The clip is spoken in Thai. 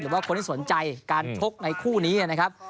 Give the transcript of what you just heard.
หรือว่าคนที่สนใจการชกในคู่นี้นะครับ